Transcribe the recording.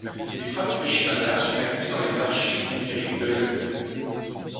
Les travaux de Shimada sont inclus dans les archives numériques de l'.